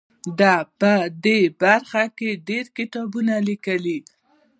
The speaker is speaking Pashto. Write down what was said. ده په دې برخه کې ډیر کتابونه لیکلي دي.